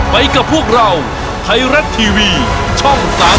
ไปกับพวกเราไทรัตทีวีช่องสามสิบสอง